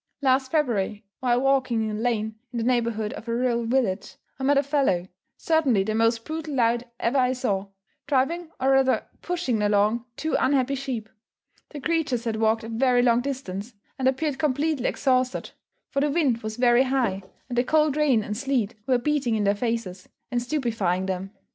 Last February, while walking in a lane in the neighbourhood of a rural village, I met a fellow certainly the most brutal lout ever I saw driving, or rather pushing along, two unhappy sheep. The creatures had walked a very long distance, and appeared completely exhausted; for the wind was very high, and the cold rain and sleet were beating in their faces, and stupifying them.